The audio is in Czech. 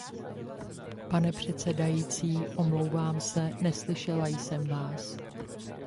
Pane předsedající, omlouvám se, neslyšela jsem vás.